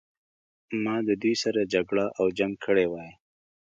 ما د دوی سره جګړه او جنګ کړی وای.